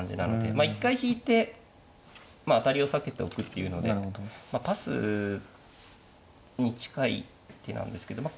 まあ一回引いてまあ当たりを避けておくっていうのでまあパスに近い手なんですけどま